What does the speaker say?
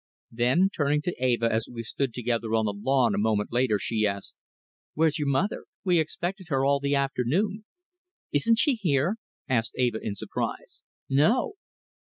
Then, turning to Eva as we stood together on the lawn a moment later, she asked, "Where's your mother? We've expected her all the afternoon." "Isn't she here?" asked Eva, in surprise. "No."